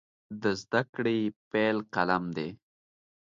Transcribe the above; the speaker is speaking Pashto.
د زده کړې پیل قلم دی.